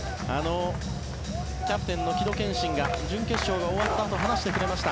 キャプテンの城戸賢心が準決勝が終わったあと話してくれました。